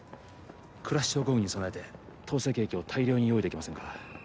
クラッシュ症候群に備えて透析液を大量に用意できませんか？